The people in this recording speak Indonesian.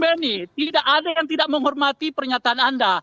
benny tidak ada yang tidak menghormati pernyataan anda